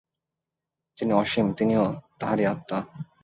যিনি অসীম, তিনিও তাহারই আত্মা।